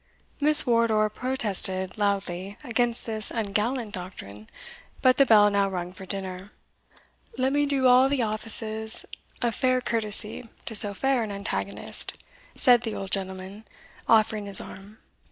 Miss Wardour protested loudly against this ungallant doctrine; but the bell now rung for dinner. "Let me do all the offices of fair courtesy to so fair an antagonist," said the old gentleman, offering his arm.